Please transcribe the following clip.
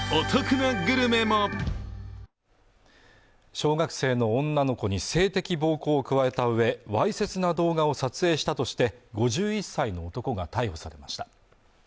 小学生の女の子に性的暴行を加えたうえわいせつな動画を撮影したとして５１歳の男が逮捕されました